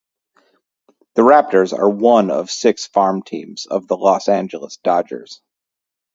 The Raptors are one of six farm teams of the Los Angeles Dodgers.